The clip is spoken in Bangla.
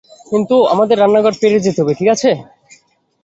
কিন্তু আমাদের রান্নাঘর পেরিয়ে যেতে হবে, ঠিক আছে?